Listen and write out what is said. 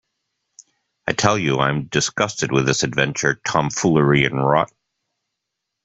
I tell you I am disgusted with this adventure tomfoolery and rot.